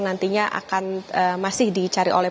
nantinya akan masih dicari oleh